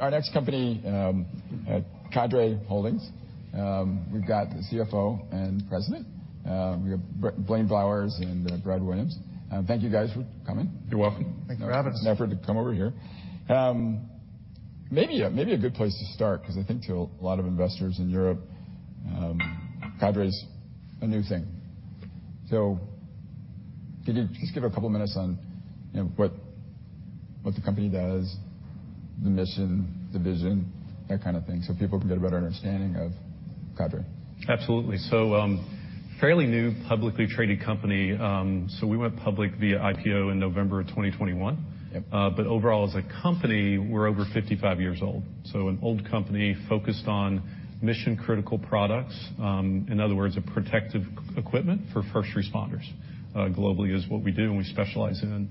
Our next company, Cadre Holdings. We've got the CFO and President. We have Blaine Browers and Brad Williams. Thank you guys for coming. You're welcome. Thank you for having us. It's an effort to come over here. Maybe a good place to start, 'cause I think to a lot of investors in Europe, Cadre is a new thing. Could you just give a couple minutes on, you know, what the company does, the mission, the vision, that kind of thing, so people can get a better understanding of Cadre? Absolutely. fairly new publicly traded company. we went public via IPO in November of 2021. Yep. Overall, as a company, we're over 55 years old, an old company focused on mission-critical products, in other words, a protective equipment for first responders, globally is what we do and we specialize in.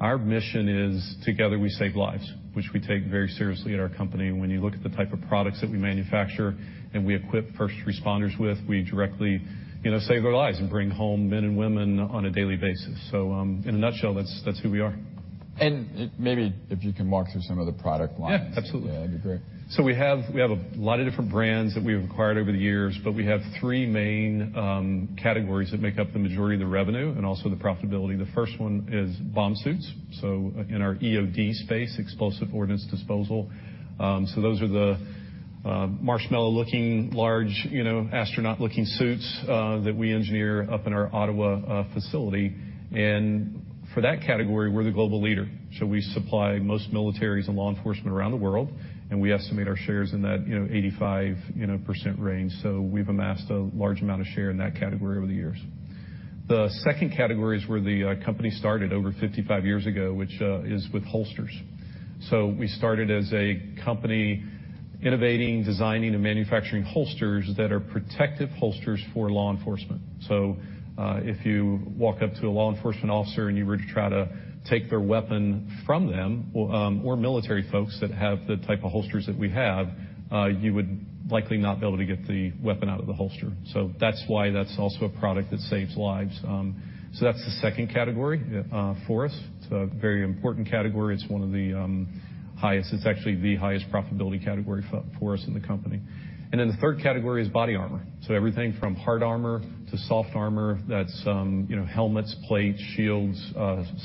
Our mission is together we save lives, which we take very seriously at our company. When you look at the type of products that we manufacture and we equip first responders with, we directly, you know, save their lives and bring home men and women on a daily basis. In a nutshell, that's who we are. Maybe if you can walk through some of the product lines. Yeah. Absolutely. That'd be great. We have a lot of different brands that we've acquired over the years, but we have three main categories that make up the majority of the revenue and also the profitability. The first one is bomb suits, so in our EOD space, explosive ordnance disposal. Those are the marshmallow-looking, large, astronaut-looking suits that we engineer up in our Ottawa facility. For that category, we're the global leader. We supply most militaries and law enforcement around the world, and we estimate our shares in that 85% range. We've amassed a large amount of share in that category over the years. The second category is where the company started over 55 years ago, which is with holsters. We started as a company innovating, designing, and manufacturing holsters that are protective holsters for law enforcement. If you walk up to a law enforcement officer and you were to try to take their weapon from them, or military folks that have the type of holsters that we have, you would likely not be able to get the weapon out of the holster. That's why that's also a product that saves lives. That's the second category for us. It's a very important category. It's one of the highest. It's actually the highest profitability category for us in the company. Then the third category is body armor, so everything from hard armor to soft armor. That's, you know, helmets, plates, shields,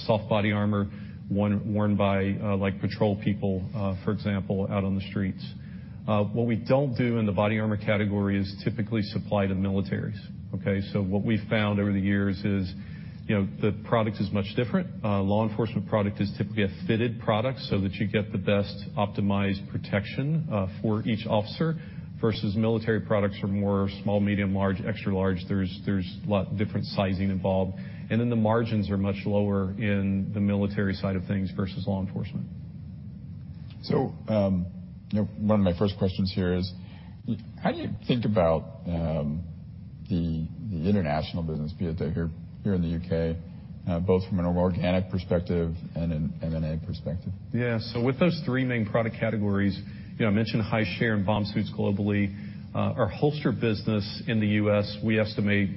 soft body armor, worn by like patrol people, for example, out on the streets. What we don't do in the body armor category is typically supply to militaries, okay? What we found over the years is, you know, the product is much different. Law enforcement product is typically a fitted product so that you get the best optimized protection for each officer versus military products are more small, medium, large, extra-large. There's a lot different sizing involved. Then the margins are much lower in the military side of things versus law enforcement. You know, one of my first questions here is, how do you think about the international business, be it here in the U.K., both from an organic perspective and an M&A perspective? With those 3 main product categories, you know, I mentioned high share in bomb suits globally. Our holster business in the U.S., we estimate,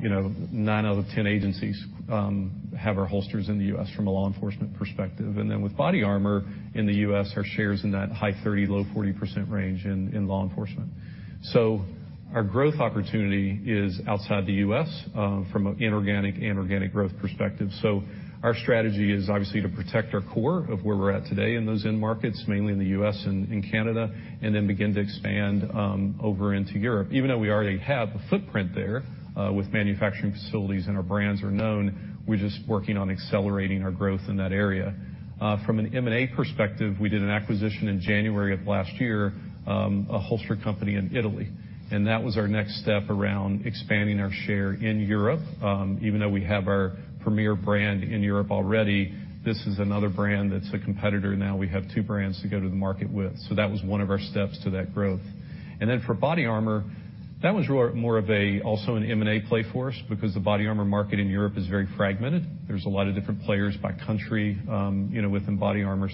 you know, 9 out of 10 agencies have our holsters in the U.S. from a law enforcement perspective. With body armor in the U.S., our share is in that high 30%, low 40% range in law enforcement. Our growth opportunity is outside the U.S. from an inorganic and organic growth perspective. Our strategy is obviously to protect our core of where we're at today in those end markets, mainly in the U.S. and in Canada, and then begin to expand over into Europe. Even though we already have a footprint there with manufacturing facilities and our brands are known, we're just working on accelerating our growth in that area. From an M&A perspective, we did an acquisition in January of last year, a holster company in Italy, and that was our next step around expanding our share in Europe. Even though we have our premier brand in Europe already, this is another brand that's a competitor. Now we have 2 brands to go to the market with. That was one of our steps to that growth. For body armor, that was more of a also an M&A play for us because the body armor market in Europe is very fragmented. There's a lot of different players by country, you know, within body armor.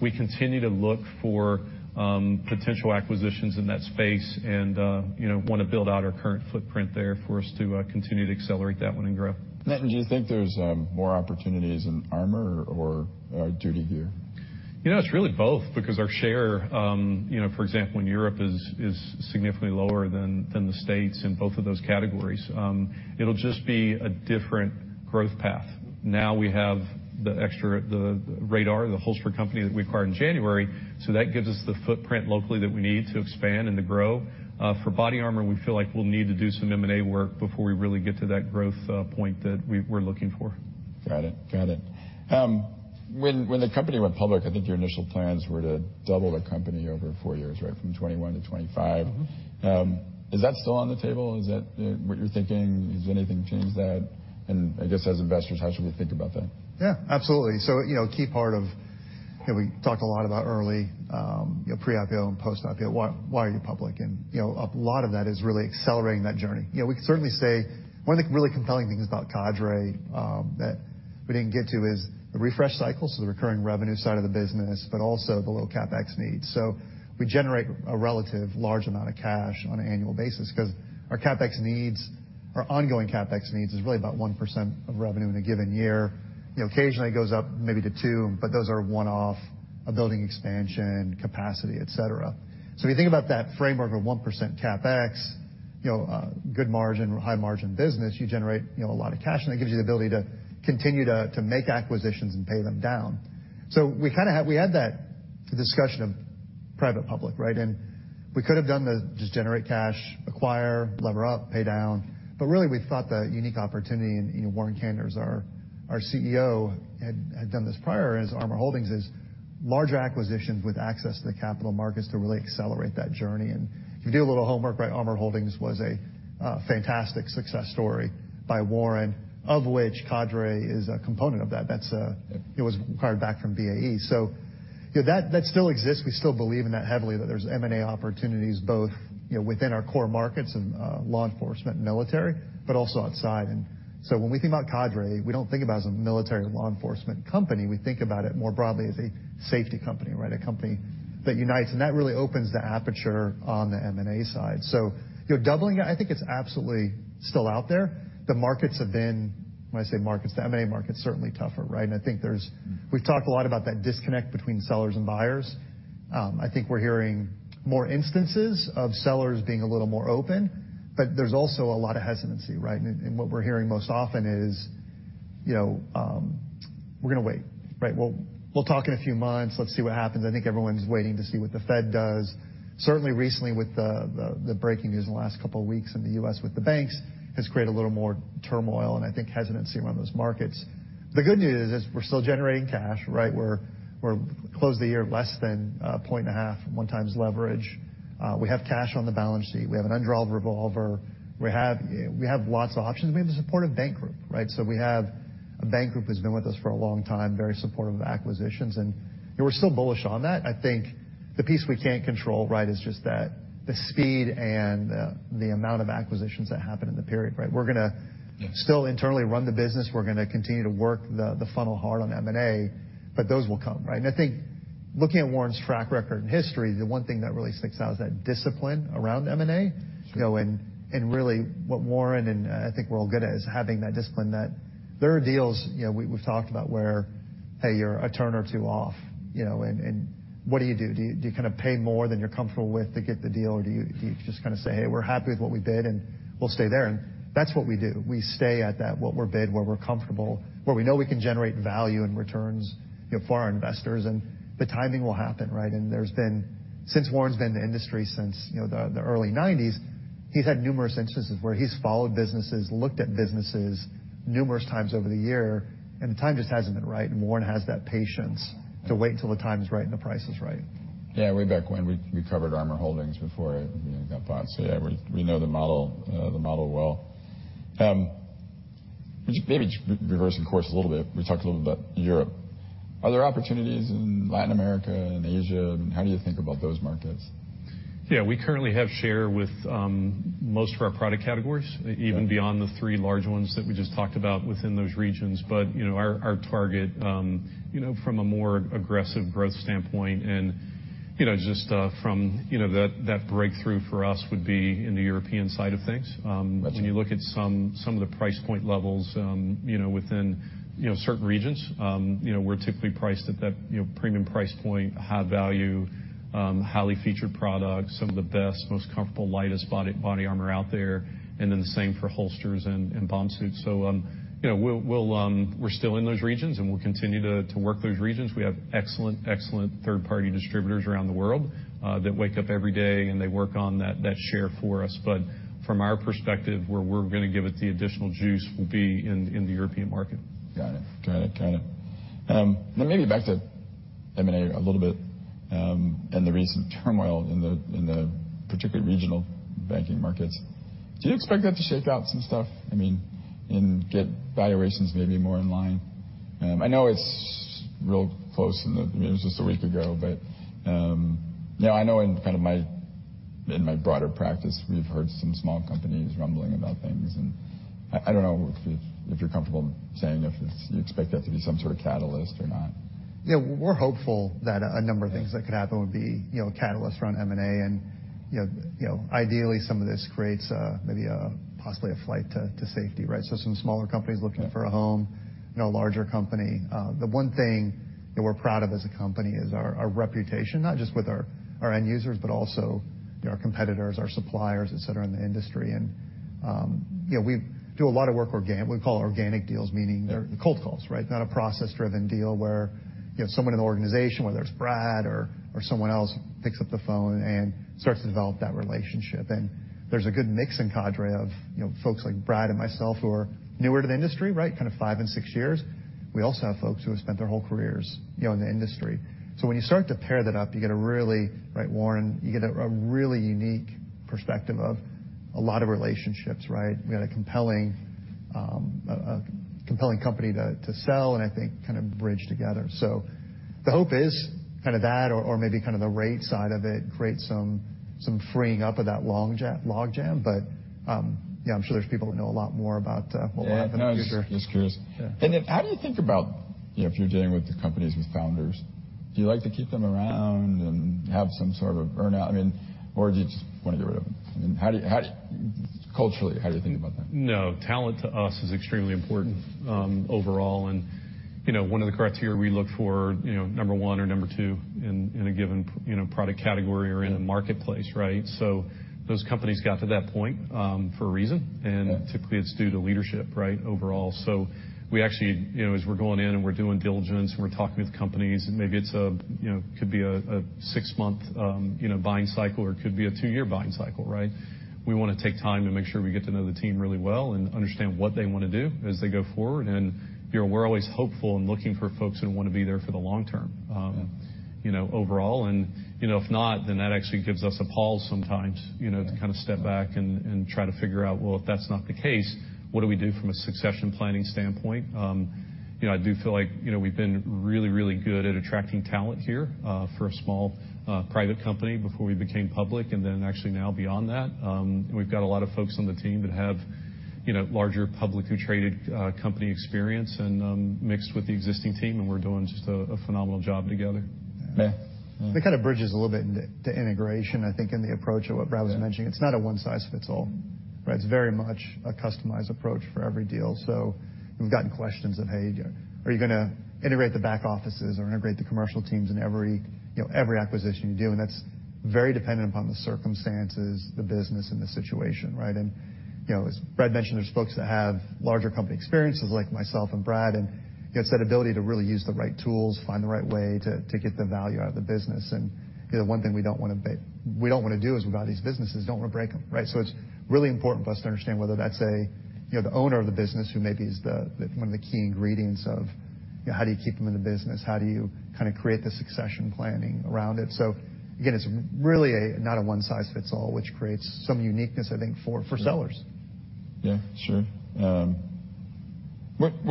We continue to look for potential acquisitions in that space and, you know, wanna build out our current footprint there for us to continue to accelerate that one and grow. Do you think there's more opportunities in armor or duty gear? You know, it's really both because our share, you know, for example, in Europe is significantly lower than the States in both of those categories. It'll just be a different growth path. Now we have the Radar, the holster company that we acquired in January, so that gives us the footprint locally that we need to expand and to grow. For body armor, we feel like we'll need to do some M&A work before we really get to that growth point that we're looking for. Got it. Got it. When the company went public, I think your initial plans were to double the company over 4 years, right? From 21 to 25. Mm-hmm. Is that still on the table? Is that what you're thinking? Has anything changed that? I guess as investors, how should we think about that? Yeah, absolutely. you know, a key part of, you know, we talked a lot about early, you know, pre-IPO and post-IPO, why are you public? you know, a lot of that is really accelerating that journey. You know, we can certainly say one of the really compelling things about Cadre that we didn't get to is the refresh cycle, so the recurring revenue side of the business, but also the low CapEx needs. We generate a relative large amount of cash on an annual basis 'cause our CapEx needs, our ongoing CapEx needs is really about 1% of revenue in a given year. You know, occasionally it goes up maybe to 2, but those are one-off. A building expansion, capacity, et cetera. If you think about that framework of 1% CapEx, you know, a good margin, high margin business, you generate, you know, a lot of cash, and that gives you the ability to continue to make acquisitions and pay them down. We had that discussion of private public, right? We could have done the just generate cash, acquire, lever up, pay down. Really, we thought the unique opportunity, and, you know, Warren Kanders, our CEO, had done this prior as Armor Holdings, is larger acquisitions with access to the capital markets to really accelerate that journey. If you do a little homework, right, Armor Holdings was a fantastic success story by Warren, of which Cadre is a component of that. It was acquired back from BAE. You know, that still exists. We still believe in that heavily, that there's M&A opportunities both, you know, within our core markets in law enforcement and military, but also outside. When we think about Cadre, we don't think about it as a military law enforcement company. We think about it more broadly as a safety company, right. A company that unites. That really opens the aperture on the M&A side. You know, doubling it, I think it's absolutely still out there. The markets have been. When I say markets, the M&A market's certainly tougher, right. I think there's. We've talked a lot about that disconnect between sellers and buyers. I think we're hearing more instances of sellers being a little more open, but there's also a lot of hesitancy, right. What we're hearing most often is, you know, "We're gonna wait." Right. We'll talk in a few months. Let's see what happens." I think everyone's waiting to see what the Fed does. Certainly recently with the breaking news in the last couple weeks in the U.S. with the banks has created a little more turmoil and I think hesitancy around those markets. The good news is we're still generating cash, right? We closed the year less than a point and a half from 1 times leverage. We have cash on the balance sheet. We have an undrawn revolver. We have lots of options, and we have a supportive bank group, right? We have a bank group who's been with us for a long time, very supportive of acquisitions. You know, we're still bullish on that. I think the piece we can't control, right, is just that the speed and the amount of acquisitions that happen in the period, right? We're gonna still internally run the business. We're gonna continue to work the funnel hard on M&A, those will come, right? I think looking at Warren's track record and history, the one thing that really sticks out is that discipline around M&A. You know, and really what Warren and I think we're all good at is having that discipline that there are deals, you know, we've talked about where, hey, you're a turn or two off, you know, and what do you do? Do you kinda pay more than you're comfortable with to get the deal, or do you just kinda say, "Hey, we're happy with what we bid, and we'll stay there"? That's what we do. We stay at that, what we're bid, where we're comfortable, where we know we can generate value and returns, you know, for our investors. The timing will happen, right? Since Warren's been in the industry since, you know, the early nineties, he's had numerous instances where he's followed businesses, looked at businesses numerous times over the year, and the time just hasn't been right, and Warren has that patience to wait until the time is right and the price is right. Yeah. Way back when, we covered Armor Holdings before it got bought. Yeah, we know the model well. Just maybe just reversing course a little bit, we talked a little about Europe. Are there opportunities in Latin America and Asia, and how do you think about those markets? Yeah. We currently have share with most of our product categories, even beyond the three large ones that we just talked about within those regions. You know, our target, you know, from a more aggressive growth standpoint and, you know, just from, you know, that breakthrough for us would be in the European side of things. When you look at some of the price point levels, you know, within, you know, certain regions, you know, we're typically priced at that, you know, premium price point, high value, highly featured products, some of the best, most comfortable, lightest body armor out there, and then the same for holsters and bomb suits. You know, we'll... we're still in those regions, and we'll continue to work those regions. We have excellent third-party distributors around the world, that wake up every day, and they work on that share for us. From our perspective, where we're gonna give it the additional juice will be in the European market. Got it. Got it. Got it. Maybe back to M&A a little bit, and the recent turmoil in the particularly regional banking markets. Do you expect that to shake out some stuff? I mean, get valuations maybe more in line? I know it's real close and that, you know, it was just a week ago, but, you know, I know in kind of my, in my broader practice, we've heard some small companies rumbling about things, and I don't know if you're comfortable saying if you expect that to be some sort of catalyst or not. Yeah. We're hopeful that a number of things that could happen would be, you know, catalysts around M&A and, you know, ideally some of this creates maybe possibly a flight to safety, right? Some smaller companies looking for a home in a larger company. The one thing that we're proud of as a company is our reputation, not just with our end users, but also, you know, our competitors, our suppliers, et cetera, in the industry. We do a lot of work what we call organic deals, meaning they're cold calls, right? Not a process-driven deal where, you know, someone in the organization, whether it's Brad or someone else, picks up the phone and starts to develop that relationship. There's a good mix in Cadre of, you know, folks like Brad and myself who are newer to the industry, right? Kinda five and six years. We also have folks who have spent their whole careers, you know, in the industry. When you start to pair that up, you get a really, right, Warren, you get a really unique perspective of a lot of relationships, right? We got a compelling company to sell and I think kind of bridge together. The hope is kind of that or maybe kind of the rate side of it creates some freeing up of that long logjam. Yeah, I'm sure there's people that know a lot more about what will happen in the future. Yeah. No, I was just curious. Yeah. How do you think about, you know, if you're dealing with the companies, with founders, do you like to keep them around, have some sort of burnout, I mean, or do you just want to get rid of them? I mean, how do you culturally, how do you think about that? No, talent to us is extremely important, overall. You know, one of the criteria we look for, you know, number one or number two in a given product category or in a marketplace, right? Those companies got to that point, for a reason. Yeah. Typically, it's due to leadership, right, overall. We actually, you know, as we're going in and we're doing diligence, and we're talking with companies, and maybe it's a, you know, could be a 6-month, you know, buying cycle, or it could be a 2-year buying cycle, right? We wanna take time to make sure we get to know the team really well and understand what they wanna do as they go forward. You know, we're always hopeful and looking for folks who wanna be there for the long term. Yeah... you know, overall. You know, if not, then that actually gives us a pause sometimes, you know, to kind of step back and try to figure out, well, if that's not the case, what do we do from a succession planning standpoint? You know, I do feel like, you know, we've been really, really good at attracting talent here, for a small, private company before we became public, and then actually now beyond that. We've got a lot of folks on the team that have, you know, larger publicly traded, company experience and, mixed with the existing team, and we're doing just a phenomenal job together. Yeah. That kind of bridges a little bit into the integration, I think, in the approach of what Brad was mentioning. It's not a one-size-fits-all, right? It's very much a customized approach for every deal. We've gotten questions of, "Hey, are you gonna integrate the back offices or integrate the commercial teams in every, you know, every acquisition you do?" That's very dependent upon the circumstances, the business and the situation, right? You know, as Brad mentioned, there's folks that have larger company experiences like myself and Brad, and it's that ability to really use the right tools, find the right way to get the value out of the business. You know, one thing we don't wanna do is we buy these businesses, don't wanna break them, right? It's really important for us to understand whether that's a, you know, the owner of the business who maybe is the one of the key ingredients of, you know, how do you keep them in the business? How do you kinda create the succession planning around it? Again, it's really a, not a one-size-fits-all, which creates some uniqueness, I think, for sellers. Yeah, sure. When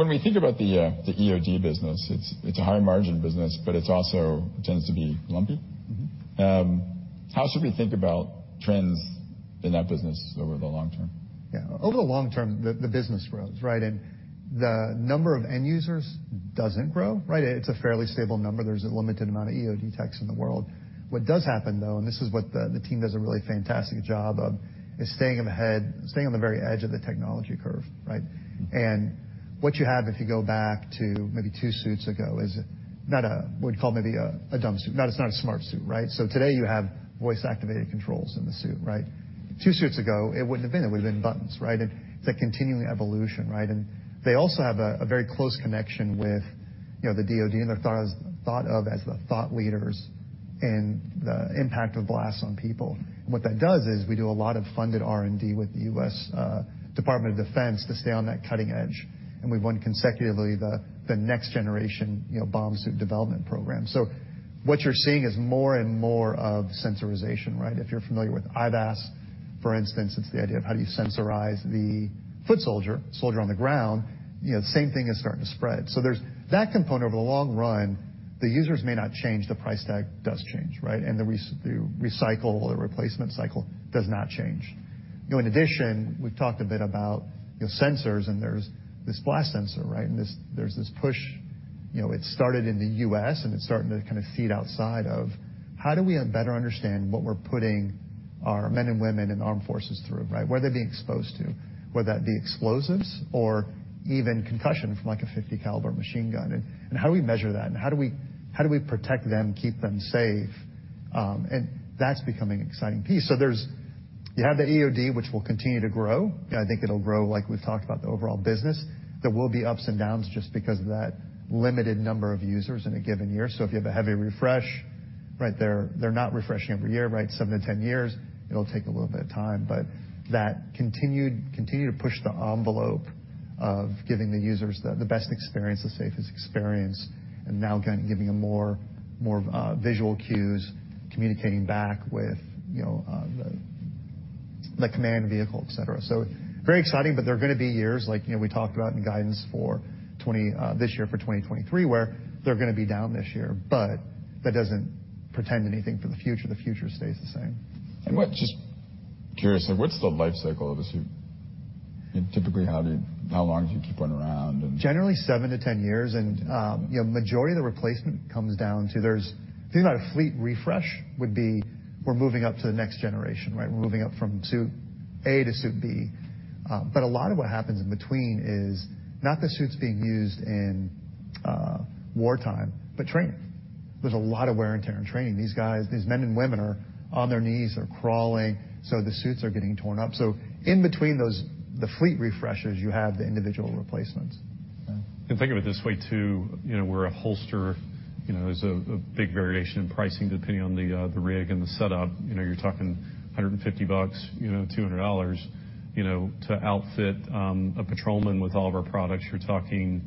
we think about the EOD business, it's a high margin business, but it's also tends to be lumpy. Mm-hmm. How should we think about trends in that business over the long term? Yeah. Over the long term, the business grows, right? The number of end users doesn't grow, right? It's a fairly stable number. There's a limited amount of EOD techs in the world. What does happen, though, and this is what the team does a really fantastic job of, is staying on the very edge of the technology curve, right? What you have if you go back to maybe 2 suits ago is not a dumb suit. It's not a smart suit, right? Today, you have voice-activated controls in the suit, right? 2 suits ago, it wouldn't have been. It would've been buttons, right? It's a continuing evolution, right? They also have a very close connection with, you know, the DOD, and they're thought of as the thought leaders in the impact of blasts on people. What that does is we do a lot of funded R&D with the U.S. Department of Defense to stay on that cutting edge. We've won consecutively the next generation, you know, bomb suit development program. What you're seeing is more and more of sensorization, right? If you're familiar with IVAS, for instance, it's the idea of how do you sensorize the foot soldier on the ground, you know, the same thing is starting to spread. There's that component over the long run, the users may not change, the price tag does change, right? The recycle or replacement cycle does not change. You know, in addition, we've talked a bit about, you know, sensors, and there's this blast sensor, right? This, there's this push, you know, it started in the U.S., and it's starting to kind of feed outside of how do we better understand what we're putting our men and women in armed forces through, right? What are they being exposed to, whether that be explosives or even concussion from like a 50 caliber machine gun? How do we measure that? How do we protect them, keep them safe? That's becoming an exciting piece. You have the EOD, which will continue to grow. I think it'll grow like we've talked about the overall business. There will be ups and downs just because of that limited number of users in a given year. If you have a heavy refresh, right, they're not refreshing every year, right, 7 to 10 years, it'll take a little bit of time. That continue to push the envelope of giving the users the best experience, the safest experience, and now kind of giving them more visual cues, communicating back with, you know, the command vehicle, et cetera. Very exciting, but there are gonna be years like, you know, we talked about in guidance for this year for 2023, where they're gonna be down this year. That doesn't portend anything for the future. The future stays the same. What, just curious, like what's the life cycle of a suit? Typically, how long do you keep one around and... Generally 7 to 10 years. You know, majority of the replacement comes down to if you think about a fleet refresh would be we're moving up to the next generation, right? We're moving up from suit A to suit B. A lot of what happens in between is not the suits being used in wartime, but training. There's a lot of wear and tear in training. These guys, these men and women are on their knees or crawling, so the suits are getting torn up. In between those, the fleet refreshes, you have the individual replacements. Think of it this way, too, you know, wear a holster, you know, there's a big variation in pricing depending on the rig and the setup. You know, you're talking $150, you know, $200. You know, to outfit a patrolman with all of our products, you're talking,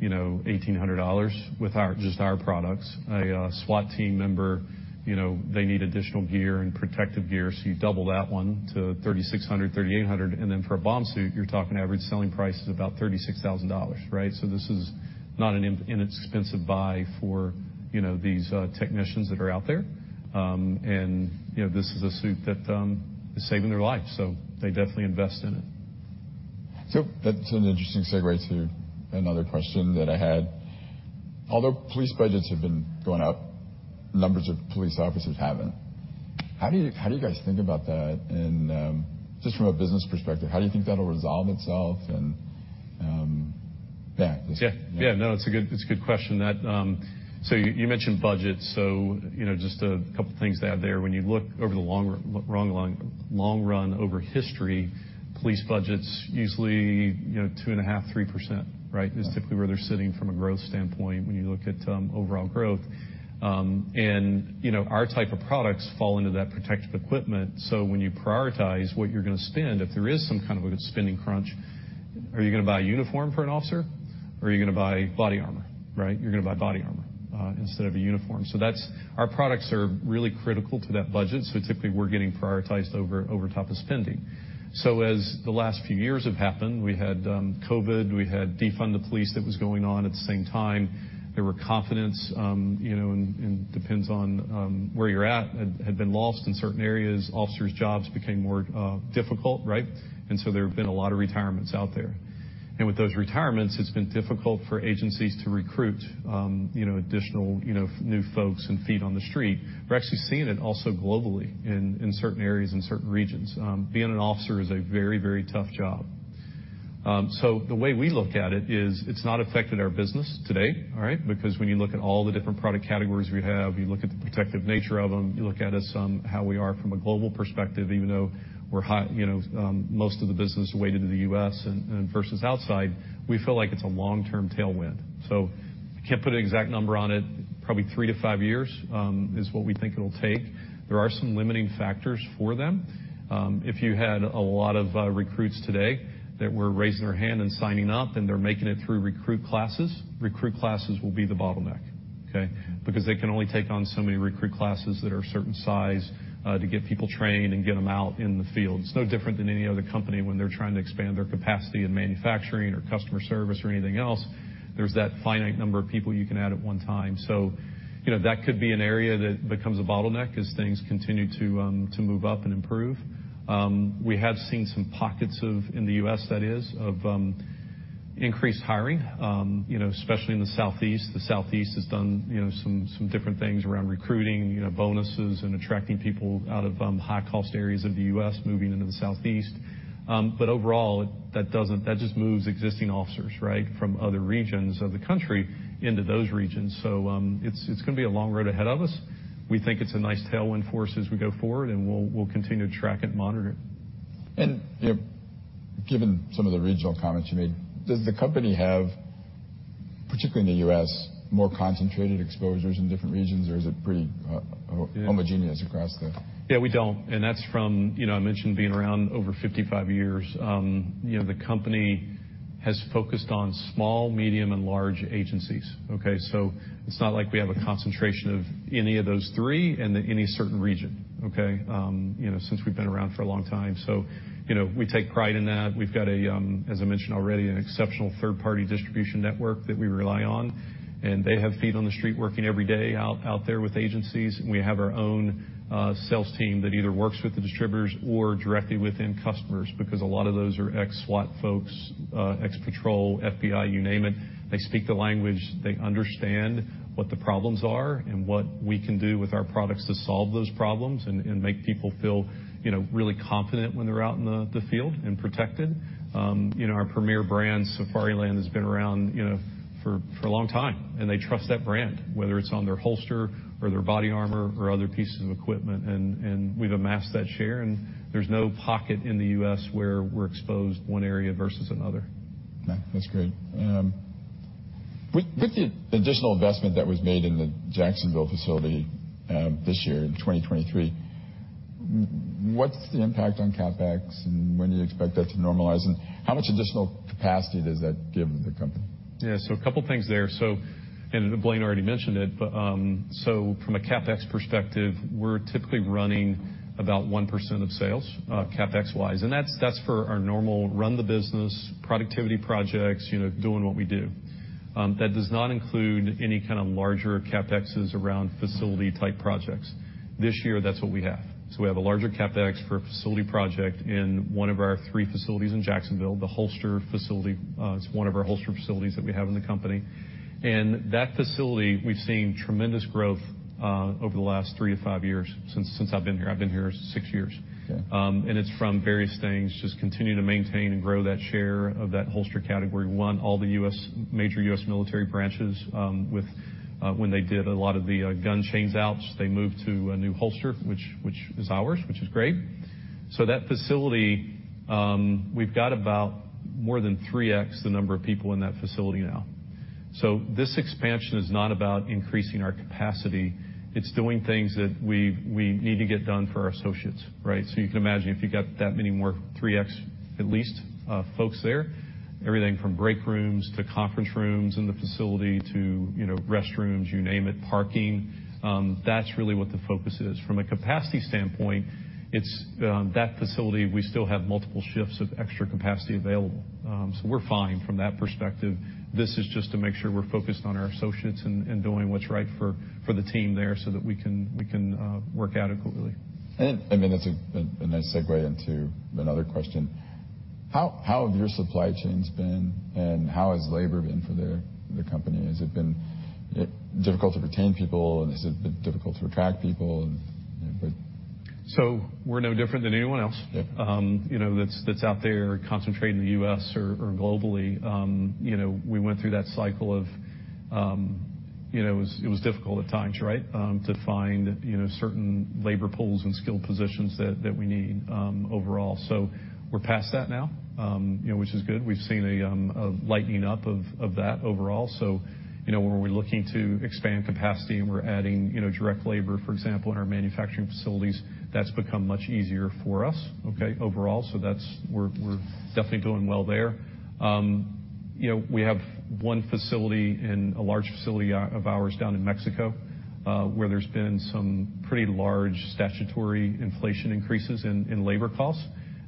you know, $1,800 with our, just our products. A SWAT team member, you know, they need additional gear and protective gear, so you double that one to $3,600-$3,800. Then for a bomb suit, you're talking average selling price is about $36,000, right? This is not an inexpensive buy for, you know, these technicians that are out there. You know, this is a suit that is saving their life, so they definitely invest in it. That's an interesting segue to another question that I had. Although police budgets have been going up, numbers of police officers haven't. How do you guys think about that? Just from a business perspective, how do you think that'll resolve itself? Yeah. Yeah. Yeah. No, it's a good, it's a good question. You, you mentioned budget. You know, just a couple things to add there. When you look over the long, long run over history, police budgets usually, you know, 2.5%, 3%, right? Yeah. Is typically where they're sitting from a growth standpoint when you look at overall growth. And, you know, our type of products fall into that protective equipment. When you prioritize what you're gonna spend, if there is some kind of a spending crunch, are you gonna buy a uniform for an officer, or are you gonna buy body armor, right? You're gonna buy body armor instead of a uniform. Our products are really critical to that budget, so typically we're getting prioritized over top of spending. As the last few years have happened, we had COVID, we had defund the police that was going on at the same time. There were confidence, you know, and depends on where you're at, had been lost in certain areas. Officers' jobs became more difficult, right? There have been a lot of retirements out there. With those retirements, it's been difficult for agencies to recruit, you know, additional, you know, new folks and feet on the street. We're actually seeing it also globally in certain areas and certain regions. Being an officer is a very, very tough job. The way we look at it is it's not affected our business today, all right. Because when you look at all the different product categories we have, you look at the protective nature of them, you look at us, how we are from a global perspective, even though we're, you know, most of the business is weighted in the U.S. and versus outside, we feel like it's a long-term tailwind. I can't put an exact number on it. Probably 3-5 years is what we think it'll take. There are some limiting factors for them. If you had a lot of recruits today that were raising their hand and signing up, and they're making it through recruit classes, recruit classes will be the bottleneck, okay? They can only take on so many recruit classes that are a certain size to get people trained and get them out in the field. It's no different than any other company when they're trying to expand their capacity in manufacturing or customer service or anything else. There's that finite number of people you can add at one time. You know, that could be an area that becomes a bottleneck as things continue to move up and improve. We have seen some pockets of, in the U.S. that is, of increased hiring, you know, especially in the Southeast. The Southeast has done, you know, some different things around recruiting, you know, bonuses and attracting people out of high-cost areas of the U.S. moving into the Southeast. Overall, that just moves existing officers, right, from other regions of the country into those regions. It's gonna be a long road ahead of us. We think it's a nice tailwind for us as we go forward, and we'll continue to track it and monitor it. You know, given some of the regional comments you made, does the company have, particularly in the US, more concentrated exposures in different regions, or is it pretty homogeneous across? Yeah, we don't. That's from, you know, I mentioned being around over 55 years. You know, the company has focused on small, medium, and large agencies, okay? It's not like we have a concentration of any of those three in any certain region, okay? You know, since we've been around for a long time. You know, we take pride in that. We've got a, as I mentioned already, an exceptional third-party distribution network that we rely on, and they have feet on the street working every day out there with agencies. We have our own sales team that either works with the distributors or directly within customers because a lot of those are ex-SWAT folks, ex-patrol, FBI, you name it. They speak the language. They understand what the problems are and what we can do with our products to solve those problems and make people feel, you know, really confident when they're out in the field and protected. You know, our premier brand, Safariland, has been around, you know, for a long time, and they trust that brand, whether it's on their holster or their body armor or other pieces of equipment. We've amassed that share, and there's no pocket in the U.S. where we're exposed one area versus another. Okay. That's great. With the additional investment that was made in the Jacksonville facility, this year in 2023, what's the impact on CapEx, and when do you expect that to normalize? How much additional capacity does that give the company? A couple things there. And Blaine already mentioned it, but from a CapEx perspective, we're typically running about 1% of sales CapEx-wise, and that's for our normal run the business, productivity projects, you know, doing what we do. That does not include any kind of larger CapExes around facility-type projects. This year, that's what we have. We have a larger CapEx for a facility project in one of our three facilities in Jacksonville, the holster facility. It's one of our holster facilities that we have in the company. That facility, we've seen tremendous growth over the last 3-5 years since I've been here. I've been here 6 years. Okay. It's from various things, just continue to maintain and grow that share of that holster category. One, all the U.S., major U.S. military branches, with when they did a lot of the gun chains outs, they moved to a new holster, which is ours, which is great. That facility, we've got about more than 3x the number of people in that facility now. This expansion is not about increasing our capacity. It's doing things that we need to get done for our associates, right? You can imagine if you got that many more 3x, at least, folks there, everything from break rooms to conference rooms in the facility to, you know, restrooms, you name it, parking, that's really what the focus is. From a capacity standpoint, it's, that facility, we still have multiple shifts of extra capacity available. We're fine from that perspective. This is just to make sure we're focused on our associates and doing what's right for the team there so that we can work adequately. I mean, that's a nice segue into another question. How have your supply chains been, and how has labor been for the company? Has it been difficult to retain people? Has it been difficult to attract people? We're no different than anyone else. Yeah. You know, that's out there concentrated in the U.S. or globally. You know, we went through that cycle of, you know, it was difficult at times, right? To find, you know, certain labor pools and skilled positions that we need overall. We're past that now, you know, which is good. We've seen a lightening up of that overall. You know, where we're looking to expand capacity and we're adding, you know, direct labor, for example, in our manufacturing facilities, that's become much easier for us, okay, overall. We're definitely doing well there. You know, we have one facility, a large facility of ours down in Mexico, where there's been some pretty large statutory inflation increases in labor costs.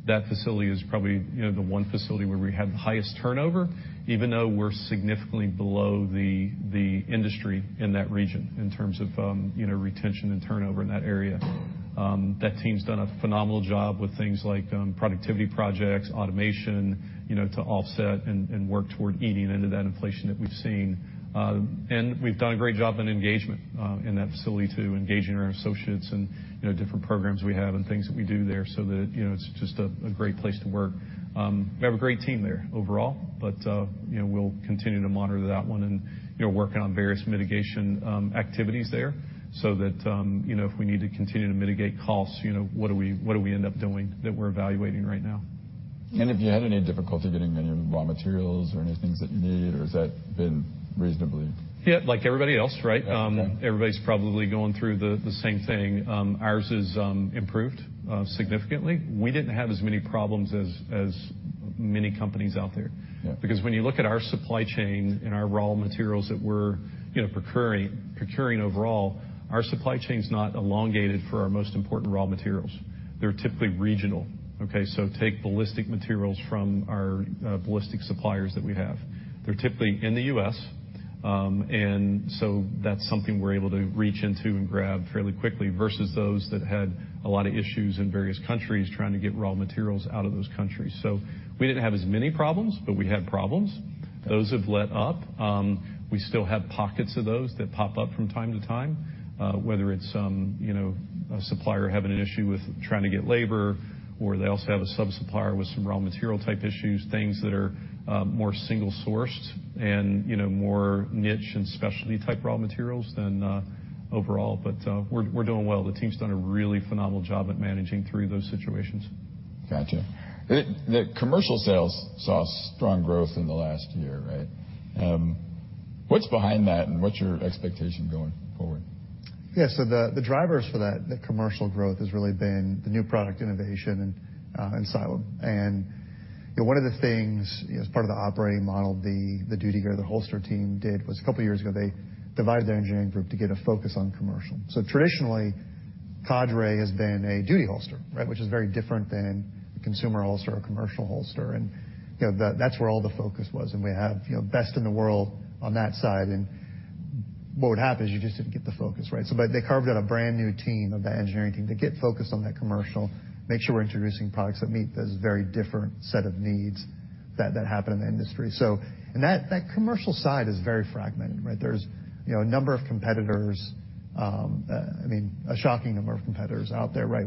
That facility is probably, you know, the one facility where we had the highest turnover, even though we're significantly below the industry in that region in terms of, you know, retention and turnover in that area. That team's done a phenomenal job with things like, productivity projects, automation, you know, to offset and work toward eating into that inflation that we've seen. We've done a great job in engagement in that facility too, engaging our associates and, you know, different programs we have and things that we do there so that, you know, it's just a great place to work. We have a great team there overall, but, you know, we'll continue to monitor that one and, you know, working on various mitigation activities there so that, you know, if we need to continue to mitigate costs, you know, what do we end up doing that we're evaluating right now. Have you had any difficulty getting any raw materials or any things that you need, or has that been reasonably-? Yeah, like everybody else, right? Yeah. Everybody's probably going through the same thing. Ours is improved significantly. We didn't have as many problems as many companies out there. Yeah. When you look at our supply chain and our raw materials that we're, you know, procuring overall, our supply chain's not elongated for our most important raw materials. They're typically regional, okay. Take ballistic materials from our ballistic suppliers that we have. They're typically in the U.S. That's something we're able to reach into and grab fairly quickly versus those that had a lot of issues in various countries trying to get raw materials out of those countries. We didn't have as many problems, but we had problems. Those have let up. We still have pockets of those that pop up from time to time, whether it's, you know, a supplier having an issue with trying to get labor or they also have a sub-supplier with some raw material type issues, things that are more single-sourced and, you know, more niche and specialty type raw materials than overall. We're doing well. The team's done a really phenomenal job at managing through those situations. Gotcha. The commercial sales saw strong growth in the last year, right? What's behind that, and what's your expectation going forward? The, the drivers for that, the commercial growth has really been the new product innovation and Cyalume. You know, one of the things, as part of the operating model, the duty gear the holster team did was a couple of years ago, they divided their engineering group to get a focus on commercial. Traditionally, Cadre has been a duty holster, right? Which is very different than a consumer holster or commercial holster. You know, that's where all the focus was. We have, you know, best in the world on that side. What would happen is you just didn't get the focus, right? They carved out a brand new team of the engineering team to get focused on that commercial, make sure we're introducing products that meet those very different set of needs that happen in the industry. That commercial side is very fragmented, right? There's, you know, a number of competitors, I mean, a shocking number of competitors out there, right?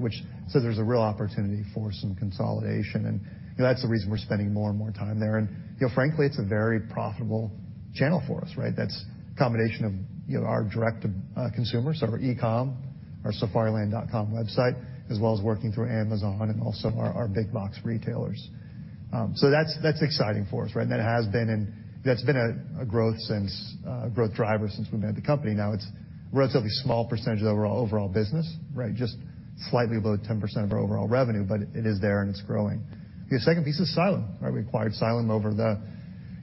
There's a real opportunity for some consolidation, and that's the reason we're spending more and more time there. You know, frankly, it's a very profitable channel for us, right? That's a combination of, you know, our direct consumer, so our e-com, our safariland.com website, as well as working through Amazon and also our big box retailers. That's exciting for us, right? That has been and that's been a growth since growth driver since we've had the company. It's a relatively small percentage of overall business, right? Just slightly above 10% of our overall revenue, but it is there and it's growing. The second piece is Cyalume, right? We acquired Cyalume over the,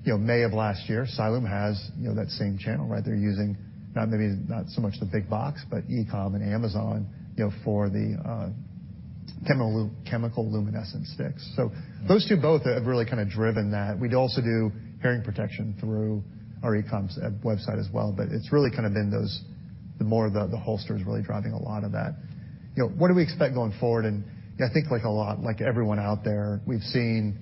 you know, May of last year. Cyalume has, you know, that same channel, right? They're using not maybe, not so much the big box, but e-com and Amazon, you know, for the chemiluminescence sticks. Those two both have really kind of driven that. We'd also do hearing protection through our e-com website as well, but it's really kind of been those, the more the holster is really driving a lot of that. You know, what do we expect going forward? I think like a lot, like everyone out there, we've seen,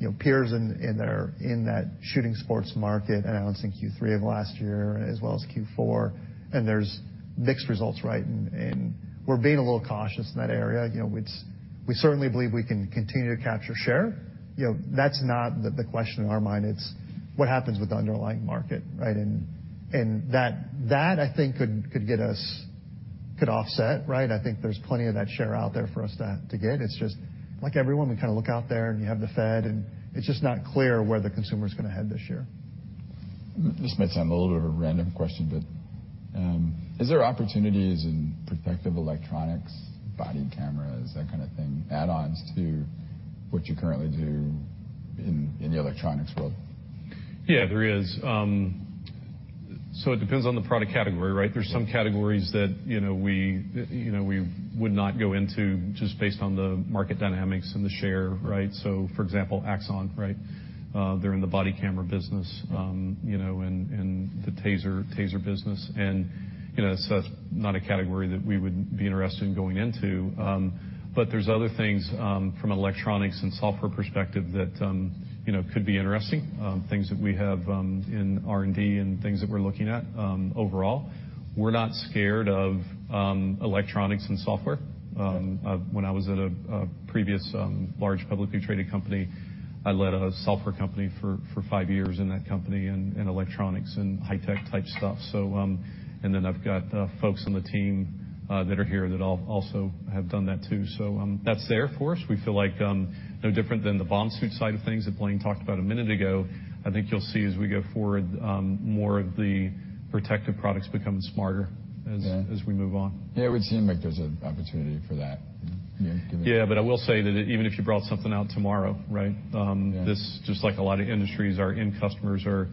you know, peers in there, in that shooting sports market announcing Q3 of last year as well as Q4, and there's mixed results, right? We're being a little cautious in that area. You know, we certainly believe we can continue to capture share. You know, that's not the question in our mind, it's what happens with the underlying market, right? That, that I think could get us, could offset, right? I think there's plenty of that share out there for us to get. It's just like everyone, we kind of look out there and you have the Fed and it's just not clear where the consumer is gonna head this year. This might sound a little bit of a random question, but, is there opportunities in protective electronics? Is that kind of thing add-ons to what you currently do in the electronics world? Yeah, there is. It depends on the product category, right? Yeah. There's some categories that, you know, we, you know, we would not go into just based on the market dynamics and the share, right? For example, Axon, right? They're in the body camera business, you know, and the TASER business. That's not a category that we would be interested in going into. There's other things from an electronics and software perspective that, you know, could be interesting, things that we have in R&D and things that we're looking at. Overall, we're not scared of electronics and software. When I was at a previous large publicly traded company, I led a software company for five years in that company in electronics and high tech type stuff. And then I've got folks on the team that are here that also have done that too. That's there for us. We feel like no different than the bomb suit side of things that Blaine talked about a minute ago. I think you'll see as we go forward, more of the protective products become smarter. Yeah. as we move on. Yeah. It would seem like there's an opportunity for that, you know? Yeah. I will say that even if you brought something out tomorrow, right? Yeah. This, just like a lot of industries, our end customers are,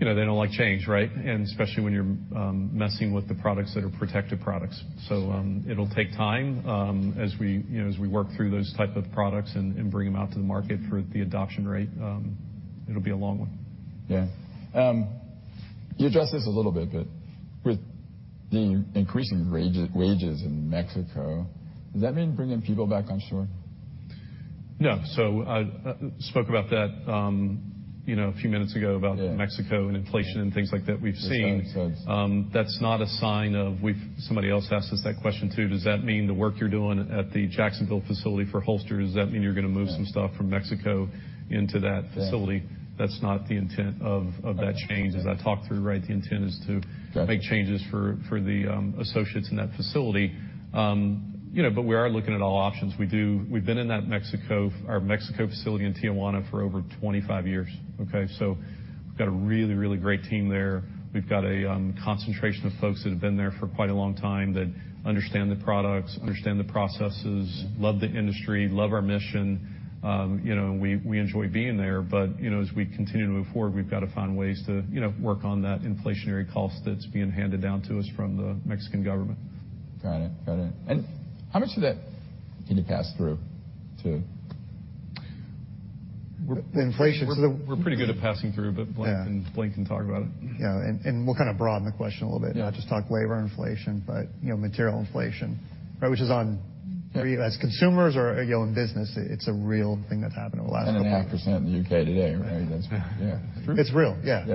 you know, they don't like change, right? Especially when you're messing with the products that are protective products. It'll take time, as we, you know, as we work through those type of products and bring them out to the market for the adoption rate. It'll be a long one. Yeah. you addressed this a little bit, but with the increasing wages in Mexico, does that mean bringing people back onshore? I spoke about that, you know, a few minutes ago. Yeah. about Mexico and inflation and things like that we've seen. That makes sense. Somebody else asked us that question, too. Does that mean the work you're doing at the Jacksonville facility for holsters, does that mean you're gonna move some stuff from Mexico into that facility? Yeah. That's not the intent of that change. As I talked through, right, the intent is. Got it. make changes for the associates in that facility. You know, we are looking at all options. We've been in that Mexico facility in Tijuana for over 25 years, okay? We've got a really, really great team there. We've got a concentration of folks that have been there for quite a long time that understand the products, understand the processes, love the industry, love our mission. You know, we enjoy being there, but you know, as we continue to move forward, we've got to find ways to, you know, work on that inflationary cost that's being handed down to us from the Mexican government. Got it. How much of that can you pass through to... The inflation- We're pretty good at passing through. Yeah. Blaine can talk about it. Yeah. We'll kind of broaden the question a little bit. Yeah. Not just talk labor inflation, but, you know, material inflation, right? Which is on, for you as consumers or, you know, in business, it's a real thing that's happened over the last couple years. 9.5% in the U.K. today, right? Yeah. That's, yeah. It's real. Yeah.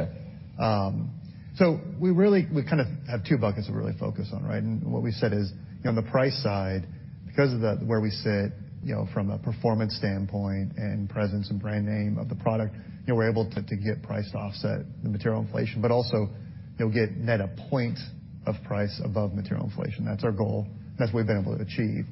Yeah. We really, we kind of have two buckets to really focus on, right? What we said is, you know, on the price side, because of where we sit, you know, from a performance standpoint and presence and brand name of the product, you know, we're able to get price to offset the material inflation, but also, you know, get net a point of price above material inflation. That's our goal. That's what we've been able to achieve.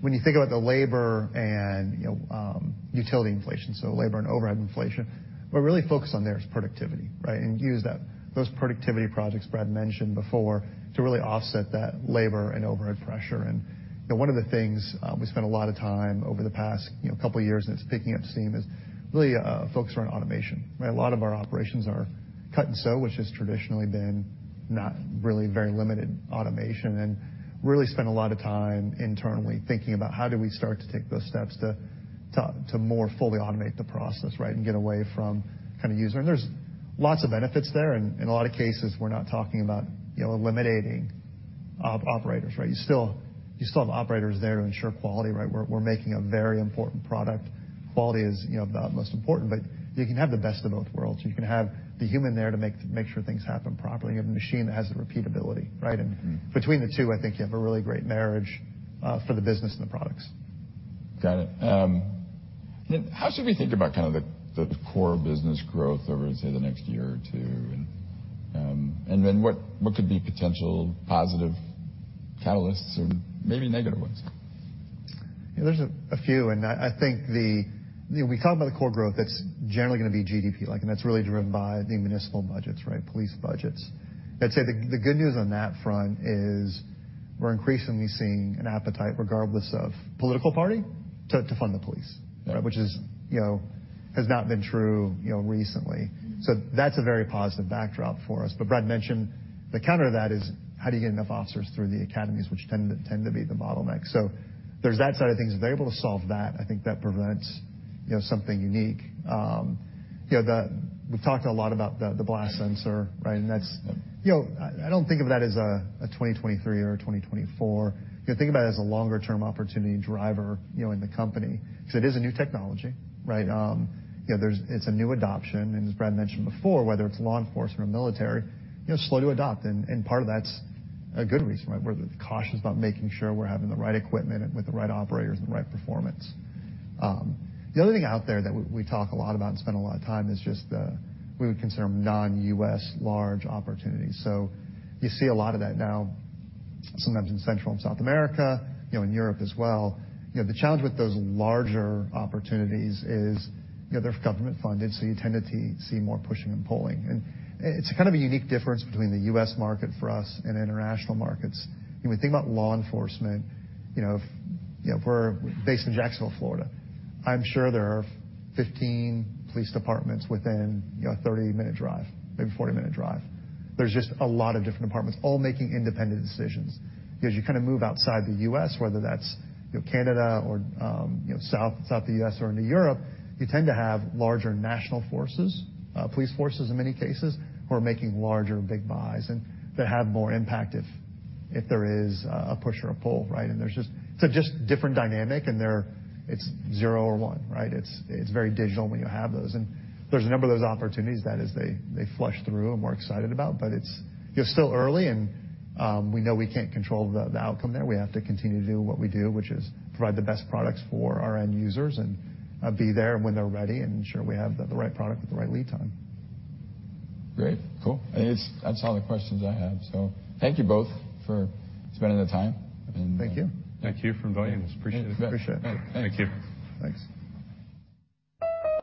When you think about the labor and, you know, utility inflation, so labor and overhead inflation, what we're really focused on there is productivity, right? Use that, those productivity projects Brad mentioned before to really offset that labor and overhead pressure. You know, one of the things, we spent a lot of time over the past, you know, couple years, and it's picking up steam, is really focusing on automation. A lot of our operations are cut and sew, which has traditionally been not really very limited automation, and really spent a lot of time internally thinking about how do we start to take those steps to more fully automate the process, right, and get away from kind of user. There's lots of benefits there, and in a lot of cases, we're not talking about, you know, eliminating operators, right? You still have operators there to ensure quality, right? We're making a very important product. Quality is, you know, the most important, but you can have the best of both worlds. You can have the human there to make sure things happen properly, and the machine has the repeatability, right? Mm-hmm. Between the two, I think you have a really great marriage, for the business and the products. Got it. How should we think about kind of the core business growth over, say, the next year or two? What could be potential positive catalysts or maybe negative ones? There's a few, and I think the. You know, we talk about the core growth, that's generally gonna be GDP, like, and that's really driven by the municipal budgets, right? Police budgets. I'd say the good news on that front is we're increasingly seeing an appetite, regardless of political party, to fund the police. Yeah. Which is, you know, has not been true, you know, recently. That's a very positive backdrop for us. Brad mentioned the counter to that is how do you get enough officers through the academies, which tend to be the bottleneck. There's that side of things. If they're able to solve that, I think that presents, you know, something unique. You know, we've talked a lot about the blast sensor, right? That's, you know, I don't think of that as a 2023 or a 2024. You know, think about it as a longer term opportunity driver, you know, in the company, because it is a new technology, right? You know, there's, it's a new adoption, and as Brad mentioned before, whether it's law enforcement or military, you know, slow to adopt. Part of that's a good reason, right? We're cautious about making sure we're having the right equipment with the right operators and the right performance. The other thing out there that we talk a lot about and spend a lot of time is just the, we would consider them non-U.S. large opportunities. You see a lot of that now, sometimes in Central and South America, you know, in Europe as well. You know, the challenge with those larger opportunities is, you know, they're government funded, so you tend to see more pushing and pulling. It's a kind of a unique difference between the U.S. market for us and international markets. You know, when you think about law enforcement, you know, you know, we're based in Jacksonville, Florida. I'm sure there are 15 police departments within, you know, a 30-minute drive, maybe 40-minute drive. There's just a lot of different departments all making independent decisions. Because you kind of move outside the U.S., whether that's, you know, Canada or, you know, South U.S. or into Europe, you tend to have larger national forces, police forces in many cases, who are making larger big buys and that have more impact if there is a push or a pull, right? There's just, it's a just different dynamic and they're, it's zero or one, right? It's, it's very digital when you have those. There's a number of those opportunities that as they flush through and we're excited about. It's, you know, still early and, we know we can't control the outcome there. We have to continue to do what we do, which is provide the best products for our end users and, be there when they're ready and ensure we have the right product with the right lead time. Great. Cool. I guess that's all the questions I have. Thank you both for spending the time and- Thank you. Thank you for inviting us. Appreciate it. Appreciate it. Thank you. Thanks.